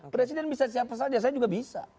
presiden bisa siapa saja saya juga bisa